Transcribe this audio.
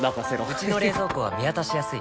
うちの冷蔵庫は見渡しやすい